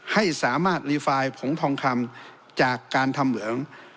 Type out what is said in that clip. ให้สามารถรีไฟล์ผงทองคำจากการทำเหมือง